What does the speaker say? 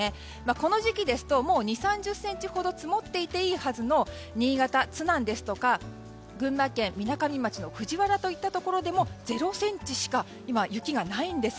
この時期ですともう２０３０ｃｍほど積もっていていいはずの新潟・津南ですとか群馬県みなかみ町の藤原といったところでも０ｃｍしか今、雪がないんです。